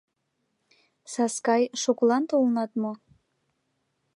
Саскай, шукылан толынат мо?